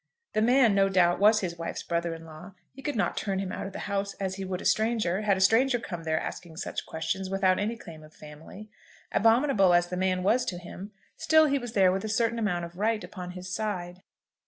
The man, no doubt, was his wife's brother in law. He could not turn him out of the house as he would a stranger, had a stranger come there asking such questions without any claim of family. Abominable as the man was to him, still he was there with a certain amount of right upon his side.